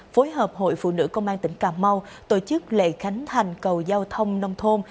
phối hợp hội phụ nữ công an tỉnh cà mau tổ chức lễ khánh thành cầu giao thông nông thôn